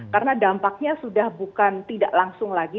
karena dampaknya sudah bukan tidak langsung lagi